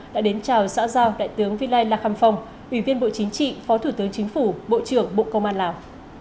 đã đến chào xã giao đại tướng vi lai lạc khăm phong ủy viên bộ chính trị phó thủ tướng chính phủ bộ trưởng bộ công an lào